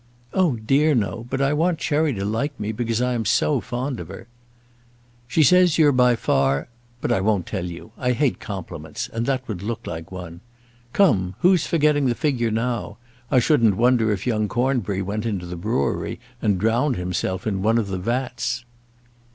"Oh, dear no; but I want Cherry to like me, because I am so fond of her." "She says you're by far But I won't tell you. I hate compliments, and that would look like one. Come, who's forgetting the figure now? I shouldn't wonder if young Cornbury went into the brewery and drowned himself in one of the vats."